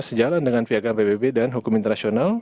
sejalan dengan piagam pbb dan hukum internasional